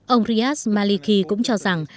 ông riyad al maliki cũng cho rằng